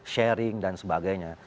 sharing dan sebagainya